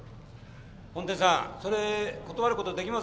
本店さんそれ断ることできませんか？